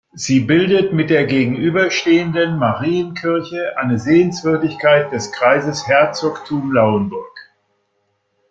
Sie bildet mit der gegenüber stehenden Marienkirche eine Sehenswürdigkeit des Kreises Herzogtum Lauenburg.